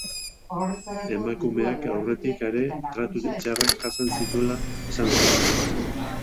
Emakumeak aurretik ere tratu txarrak jasan zituela esan zuen.